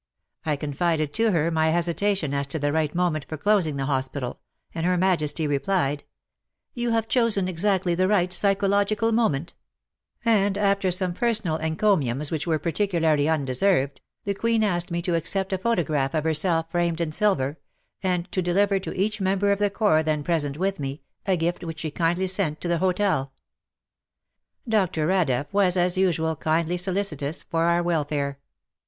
I confided to her my hesitation as to the right moment for closing the hospital, and Her Majesty replied, "You have chosen exactly the right psychological moment," and, after some personal encomiums which were particularly un deserved, the Queen asked me to accept a photograph of herself framed in silver, and to deliver to each member of the Corps then present with me, a gift which she kindly sent to the hotel. Dr. Radeff was, as usual, kindly solicitous for our welfare.